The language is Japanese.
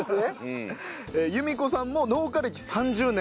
由美子さんも農家歴３０年。